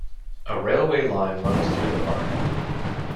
A railway line runs through the park.